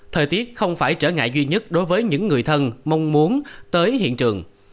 thời tiết không phải trở ngại duy nhất đối với những người thân mong muốn tới hiện trường